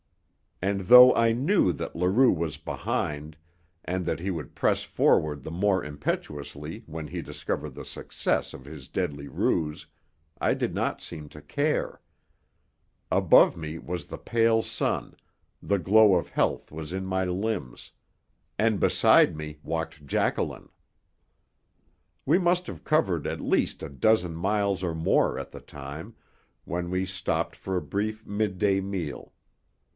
And though I knew that Leroux was behind, and that he would press forward the more impetuously when he discovered the success of his deadly ruse, I did not seem to care. Above me was the pale sun, the glow of health was in my limbs and beside me walked Jacqueline. We must have covered at least a dozen miles or more at the time, when we stopped for a brief midday meal.